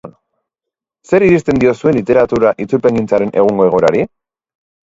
Zer irizten diozue literatura itzulpengintzaren egungo egoerari?